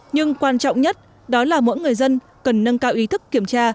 nhưng quan trọng nhất đó là mỗi người dân cần nâng cao ý thức kiểm tra